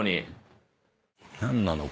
何なの？